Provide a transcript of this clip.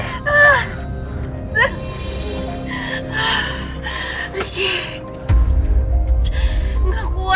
ricky gak kuat